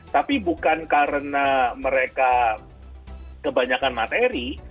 tapi bukan karena mereka kebanyakan materi